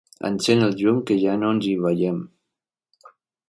Encén el llum, que ja no ens hi veiem.